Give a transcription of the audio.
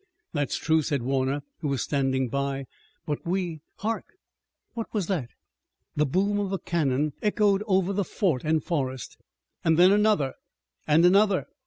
"That's true," said Warner, who was standing by, "but we hark, what was that?" The boom of a cannon echoed over the fort and forest, and then another and another.